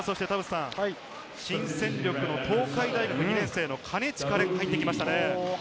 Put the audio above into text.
新戦力の東海大学２年生・金近廉が入ってきましたね。